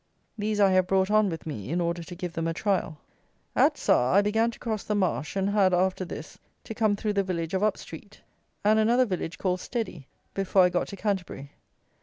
These I have brought on with me, in order to give them a trial. At Sarr I began to cross the marsh, and had, after this, to come through the village of Up street, and another village called Steady, before I got to Canterbury.